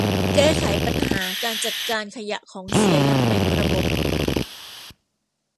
แก้ไขปัญหาการจัดการขยะของเสียอย่างเป็นระบบ